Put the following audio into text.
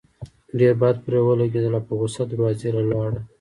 ډېر بد پرې ولګېدل او پۀ غصه دروازې له لاړه